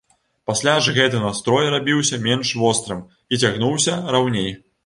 Пасля ж гэты настрой рабіўся менш вострым і цягнуўся раўней.